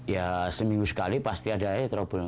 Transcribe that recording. ya seminggu sekali pasti ada aja terobolan